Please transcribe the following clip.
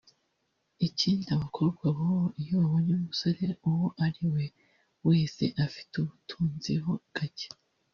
Ikindi abakobwa b’ubu iyo abonye umusore uwo ari we wese afite ku butunzi ho gake